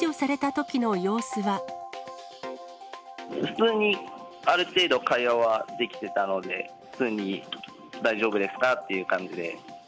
普通にある程度、会話はできていたので、普通に、大丈夫ですか？という感じで。